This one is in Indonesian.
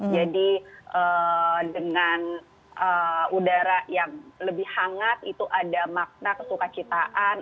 jadi dengan udara yang lebih hangat itu ada makna kesukaan citaan